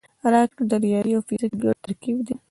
راکټ د ریاضي او فزیک ګډ ترکیب دی